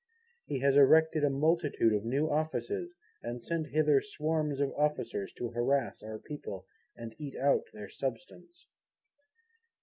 He has erected a multitude of New Offices, and sent hither swarms of Officers to harass our People, and eat out their substance.